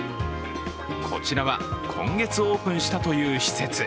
こちらは今月オープンしたという施設。